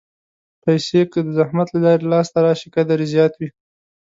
پېسې که د زحمت له لارې لاسته راشي، قدر یې زیات وي.